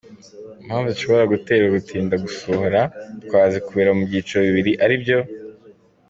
Impamvu zishobora gutera gutinda gusohora twazikubira mu byiciri bibili ari byo :.